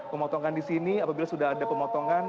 pemotongan di sini apabila sudah ada pemotongan